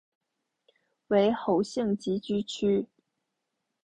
为侯姓集居区。